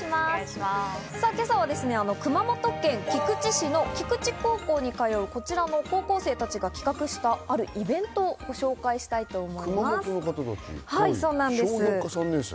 今朝は熊本県菊池市の菊池高校に通う、こちらの高校生たちが企画したあるイベントをご紹介したいと思います。